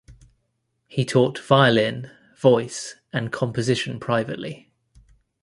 He taught violin, voice and composition privately.